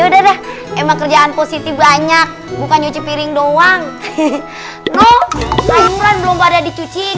udah emang kerjaan positif banyak bukan nyuci piring doang hehehe no sayuran belum pada dicuciin